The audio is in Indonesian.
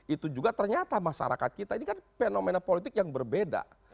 itu juga ternyata masyarakat kita ini kan fenomena politik yang berbeda